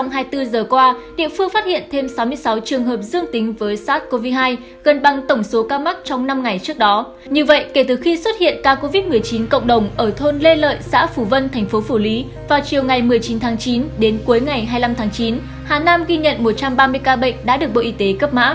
hãy đăng ký kênh để ủng hộ kênh của chúng mình nhé